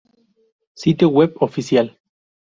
Sitio Web Oficial